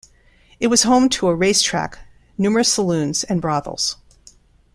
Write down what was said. It was home to a racetrack, numerous saloons, and brothels.